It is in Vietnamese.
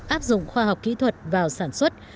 áp dụng khoa học kỹ thuật vào sản xuất